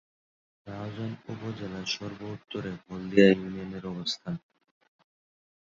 রাউজান উপজেলার সর্ব-উত্তরে হলদিয়া ইউনিয়নের অবস্থান।